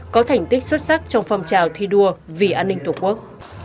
có thành tích xuất sắc trong phong trào thi đua vì an ninh tổ quốc